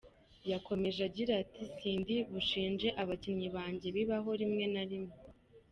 Yakomeje agira ati “Sindi bushinje abakinnyi banjye, bibaho rimwe na rimwe.